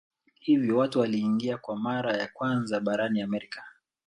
Hivyo watu waliingia kwa mara ya kwanza barani Amerika.